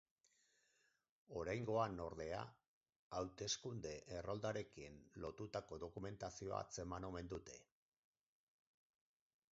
Oraingoan, ordea, hauteskunde erroldarekin lotutako dokumentazioa atzeman omen dute.